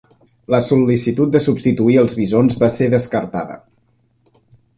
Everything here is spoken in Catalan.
La sol·licitud de substituir els bisons va ser descartada.